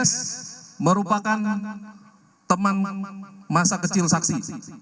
s merupakan teman masa kecil saksi